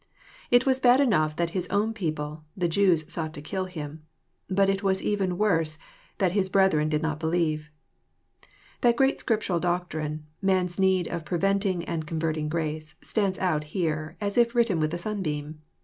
It was bad enough that His own people, " the Jew8..8ought to kill Him." But it was even worse that " His brethren did not believe." That great Scriptural doctrine, man's need of preventing and converting grace, stands out here, as if written with a sunbeam.